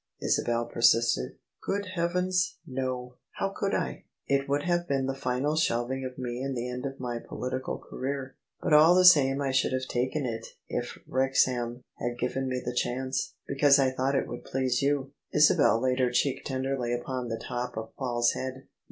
" Isabel persisted. " Good heavens, no ! How could I ? It would have been the final shelving of me and the end of my political career. But all the same I should have taken it if Wrexham had given me the chance, because I thought it would please you." THE SUBJECTION Isabel laid her cheek tenderly against the top of Paul's head.